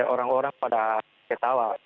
orang orang pada ketawa